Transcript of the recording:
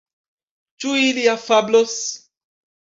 Ĉu ili afablos?